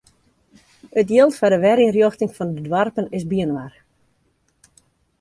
It jild foar de werynrjochting fan de doarpen is byinoar.